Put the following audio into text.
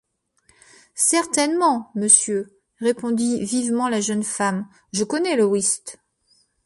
Certainement, monsieur, répondit vivement la jeune femme, je connais le whist.